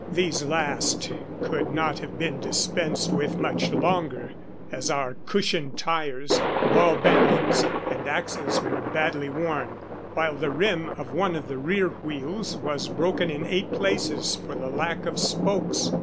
These last could not have been dispensed with much longer, as our cushion tires, ball bearings, and axles were badly worn, while the rim of one of the rear wheels was broken in eight places for the lack of spokes.